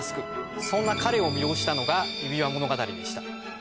そんな彼を魅了したのが『指輪物語』でした。